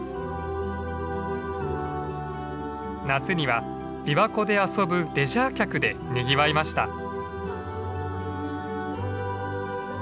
夏には琵琶湖で遊ぶレジャー客でにぎわいました。